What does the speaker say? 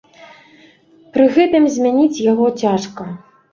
Пры гэтым змяніць яго цяжка.